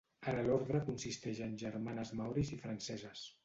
Ara l'ordre consisteix en Germanes maoris i franceses.